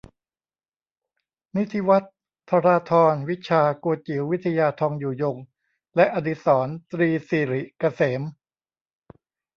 นิธิวัฒน์ ธราธร วิชชา โกจิ๋ว วิทยา ทองอยู่ยง และ อดิสรณ์ ตรีสิริเกษม